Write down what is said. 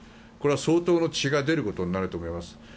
これは相当の血が出ることになると思います。